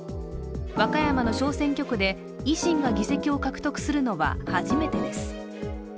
和歌山の小選挙区で維新が議席を獲得するのは初めてです。